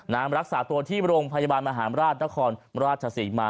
รักษาตัวที่โรงพยาบาลมหาราชนครราชศรีมา